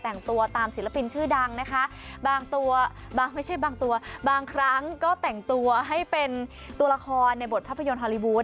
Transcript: แต่งตัวตามศิลปินชื่อดังนะคะบางตัวบางไม่ใช่บางตัวบางครั้งก็แต่งตัวให้เป็นตัวละครในบทภาพยนตฮอลลี่วูด